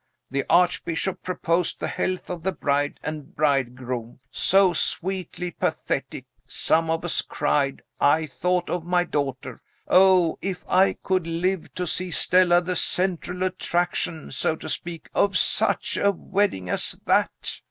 The Archbishop proposed the health of the bride and bridegroom; so sweetly pathetic. Some of us cried. I thought of my daughter. Oh, if I could live to see Stella the central attraction, so to speak, of such a wedding as that.